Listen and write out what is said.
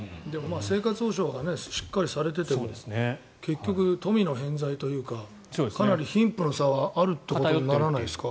生活保障がしっかりされていても結局、富の遍在というかかなり貧富の差はあるということにならないですか？